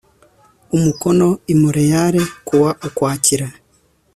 umukono i montreal ku wa ukwakira